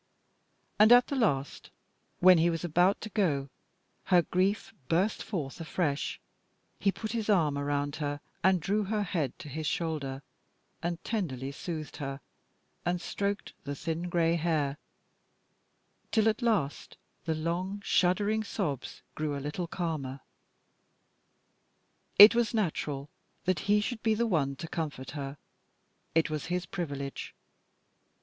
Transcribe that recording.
And at the last, when, as he was about to go, her grief burst forth afresh, he put his arm around her and drew her head to his shoulder, and tenderly soothed her, and stroked the thin grey hair, till at last the long, shuddering sobs grew a little calmer. It was natural that he should be the one to comfort her. It was his privilege.